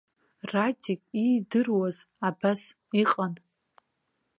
Радик иидыруаз абас иҟан.